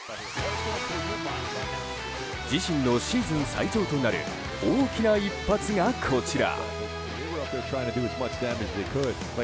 自身のシーズン最長となる大きな一発がこちら。